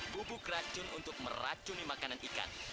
bubuk racun untuk meracuni makanan ikan